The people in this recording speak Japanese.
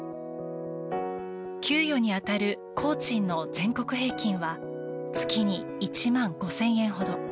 給与に当たる工賃の全国平均は月に１万５０００円ほど。